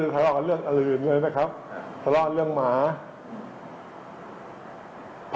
ตอนแรกไม่รู้จะไปไหนไม่มีจุดหมายปลายทางเลยครับ